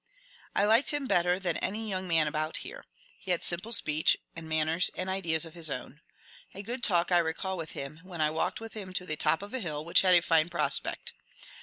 I liked him better than any young man about here. He had simple speech and man ners and ideas of his own. A good talk I recall with him, when I walked with him to the top of a hill, which had a fine prospect.